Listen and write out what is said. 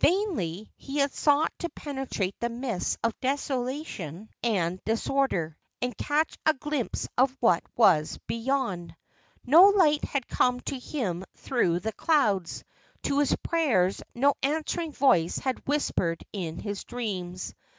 Vainly had he sought to penetrate the mists of desolation and disorder, and catch a glimpse of what was beyond. No light had come to him through the clouds; to his prayers no answering voice had whispered in his dreams.